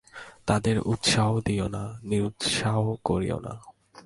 তাদের উৎসাহও দিও না, নিরুৎসাহও করো না।